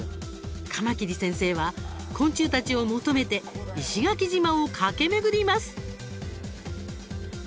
カマキリ先生は昆虫たちを求めて石垣島を駆け巡ります。